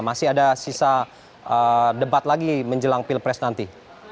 masih ada sisa debat lagi menjelang pilpres nanti